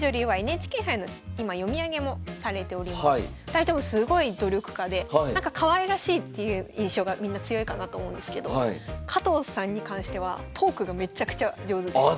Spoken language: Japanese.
２人ともすごい努力家でなんかかわいらしいっていう印象がみんな強いかなと思うんですけど加藤さんに関してはトークがめっちゃくちゃ上手です。